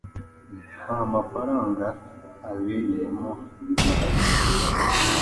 nta mafaranga abereyemo bahati